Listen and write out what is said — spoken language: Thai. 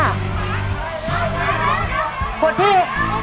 ขวดที่